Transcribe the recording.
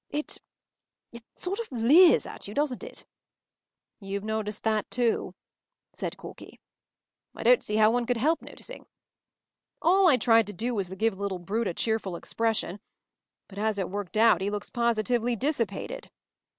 ” “It—it sorts of leers at you, doesn’t it?” “You’ve noticed that, too?” said Corky. “I don’t see how one could help noticing.” “All I tried to do was to give the little brute a cheerful expression. But, as it worked out, he looks positively dissipated.